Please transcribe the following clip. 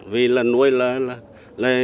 vì là nuôi là một loại cá tự nhiên